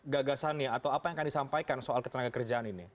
gagasannya atau apa yang akan disampaikan soal ketenaga kerjaan ini